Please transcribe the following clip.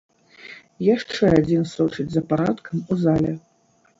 Яшчэ адзін сочыць за парадкам у зале.